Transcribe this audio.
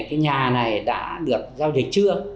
cái nhà này đã được giao dịch trương